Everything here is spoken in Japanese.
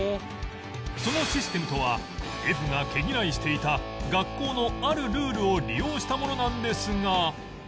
そのシステムとは Ｆ が毛嫌いしていた学校のあるルールを利用したものなんですが